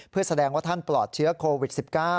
เพื่อแสดงว่าท่านปลอดเชื้อโควิด๑๙